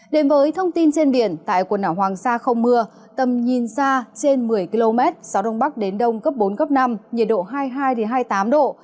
đến với thông tin trên biển tại quần đảo hoàng sa không mưa tầm nhìn xa trên một mươi km gió đông bắc đến đông cấp bốn cấp năm nhiệt độ hai mươi hai hai mươi tám độ